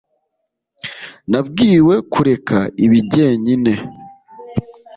nabwiwe kureka ibi jyenyine.